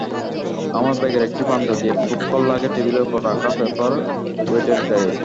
আমার ব্যাগের একটা প্রান্ত গিয়ে ঠোক্কর লাগে টেবিলের ওপর রাখা পেপার ওয়েটের গায়ে।